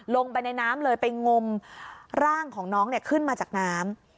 ลงไปในน้ำเลยไปงมร่างของน้องขึ้นมาจากน้ำ